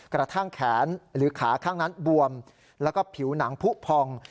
กระทั่งแขนหรือขาข้างนั้นบวมแล้วก็ผิวหนังผู้พอง